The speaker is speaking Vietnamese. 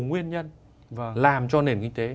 nguyên nhân làm cho nền kinh tế